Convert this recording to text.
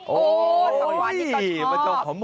โอ้ยผักหวานที่ต้องชอบ